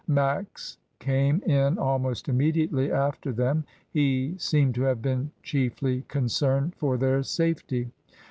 Max came in almost immediately after them; he seemed to have been chiefly concerned for their safety.